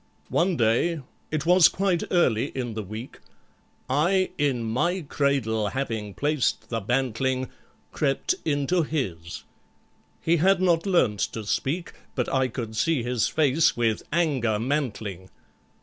"One day—it was quite early in the week— I in MY cradle having placed the bantling— Crept into his! He had not learnt to speak, But I could see his face with anger mantling.